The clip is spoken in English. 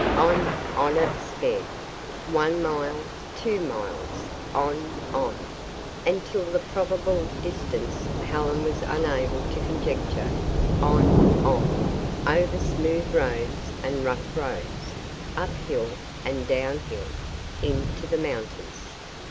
On, on it sped, one mile, two miles, on, on, until the probable distance Helen was unable to conjecture, on, on, over smooth roads and rough roads, up hill and down hill, into the mountains.